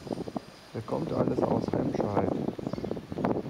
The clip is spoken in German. Wer kommt alles aus Remscheid?